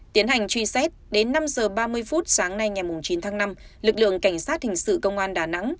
tiến hành truy xét đến năm h ba mươi phút sáng nay ngày chín tháng năm lực lượng cảnh sát hình sự công an đà nẵng